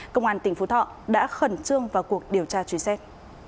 công an tỉnh phú thọ đã khẩn trương vào cuộc điều tra truy xét